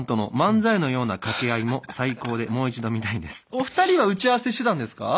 お二人は打ち合わせしてたんですか？